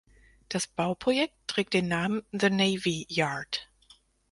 Das Bauprojekt trägt den Namen "The Navy Yard".